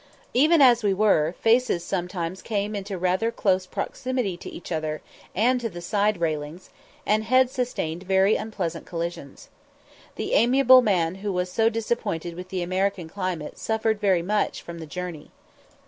Even as we were, faces sometimes came into rather close proximity to each other and to the side railings, and heads sustained very unpleasant collisions. The amiable man who was so disappointed with the American climate suffered very much from the journey.